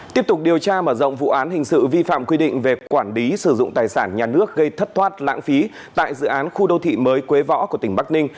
tiếp tục điều tra mở rộng vụ án hình sự vi phạm quy định về quản lý sử dụng tài sản nhà nước gây thất thoát lãng phí tại dự án khu đô thị mới quế võ của tỉnh bắc ninh